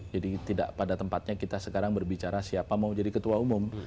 jadi tidak pada tempatnya kita sekarang berbicara siapa mau jadi ketua umum